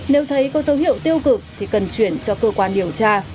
nếu thấy có dấu hiệu tiêu cực thì cần chuyển cho cơ quan điều tra